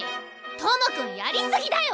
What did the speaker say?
友くんやりすぎだよ！